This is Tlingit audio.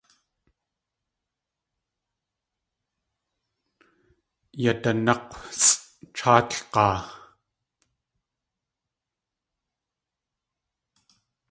Yadanák̲wsʼ cháatlg̲aa.